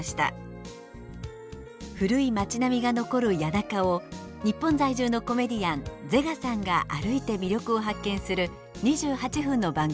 古い町並みが残る谷中を日本在住のコメディアンＺｅｇａさんが歩いて魅力を発見する２８分の番組です。